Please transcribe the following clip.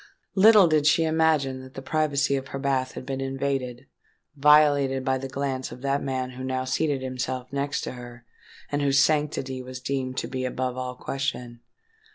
Little did she imagine that the privacy of her bath had been invaded—violated by the glance of that man who now seated himself next to her, and whose sanctity was deemed to be above all question.